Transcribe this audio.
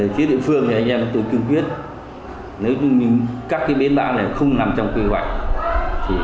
chứ địa phương thì anh em tôi kêu quyết nếu như các cái bến bãi này không nằm trong quy hoạch